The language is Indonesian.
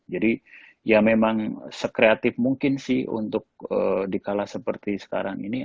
ya memang sekreatif mungkin sih untuk dikala seperti sekarang ini